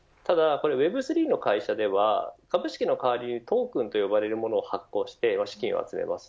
ただ、Ｗｅｂ３の会社では株式の代わりにトークンと呼ばれるもの発行して資金を集めています。